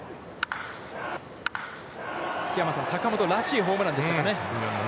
桧山さん、坂本らしいホームランでしたかね。